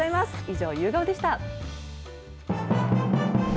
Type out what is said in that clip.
以上、夕顔でした。